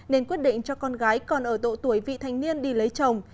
nên quyết định cho con gái còn ở độ tuổi vị thanh niên đi lấy chồng